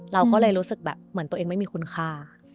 เราก็เลยรู้สึกแบบเหมือนตัวเองไม่มีคุณค่า